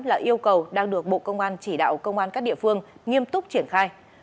là yêu cầu đang được bộ công an chỉ đạo công an các địa phương nghiêm túc triển khai